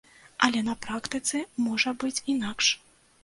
Але на практыцы можа быць інакш.